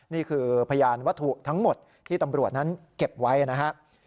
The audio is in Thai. นี่คือพยานวัตถุทั้งหมดที่ตำรวจนั้นเก็บไว้นะครับ